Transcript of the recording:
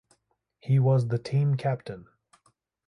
He was the team captain.